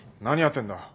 何やってんだ。